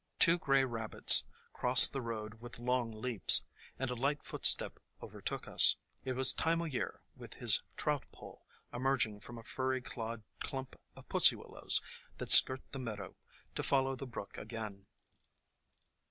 Two gray rabbits crossed the road with long leaps, and a light footstep overtook us. It was Time o' Year with his trout pole, emerging from a furry clawed clump of Pussy Willows, that skirt the meadow, to follow the brook again.